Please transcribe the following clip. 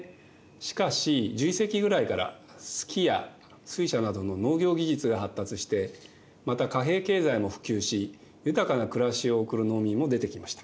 しかし１１世紀ぐらいからすきや水車などの農業技術が発達してまた貨幣経済も普及し豊かな暮らしを送る農民も出てきました。